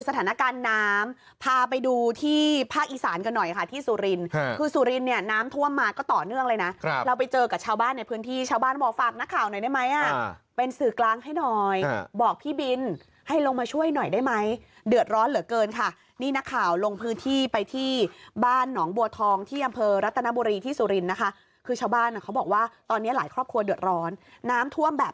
สถานการณ์น้ำพาไปดูที่ภาคอีสานกันหน่อยค่ะที่สุรินทร์คือสุรินทร์เนี่ยน้ำท่วมมาก็ต่อเนื่องเลยนะเราไปเจอกับชาวบ้านในพื้นที่ชาวบ้านบอกฝากนักข่าวหน่อยได้ไหมอ่ะเป็นสื่อกลางให้หน่อยบอกพี่บินให้ลงมาช่วยหน่อยได้ไหมเดือดร้อนเหลือเกินค่ะนี่นักข่าวลงพื้นที่ไปที่บ้านหนองบัวทองที่อำเภอรัตนบ